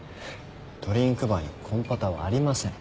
ドリンクバーにコンポタはありません。